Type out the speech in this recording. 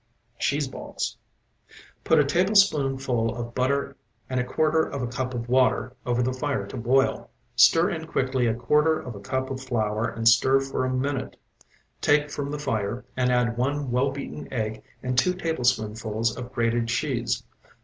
CHEESE BALLS Put a tablespoonful of butter and a quarter of a cup of water over the fire to boil. Stir in quickly a quarter of a cup of flour and stir for a minute. Take from the fire and add one well beaten egg and two tablespoonfuls of grated cheese.